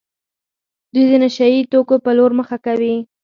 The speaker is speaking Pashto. دوی د نشه يي توکو په لور مخه کوي.